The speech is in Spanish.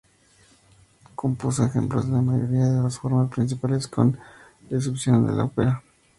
Compuso ejemplos de la mayoría de las formas principales con excepción de la ópera.